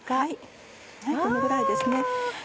このぐらいですね。